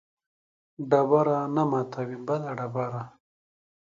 ډبره نه ماتوي بله ډبره